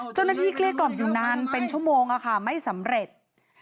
เจ้าหน้าที่เกลี้ยกรอบอยู่นานเป็นชั่วโมงค่ะไม่สำเร็จ